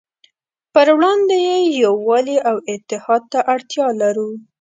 پروړاندې یې يووالي او اتحاد ته اړتیا لرو.